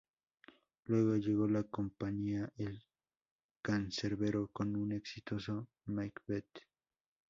Luego llegó la compañía el Cancerbero con un exitoso Macbeth.